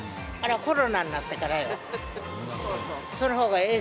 コロナになってからや。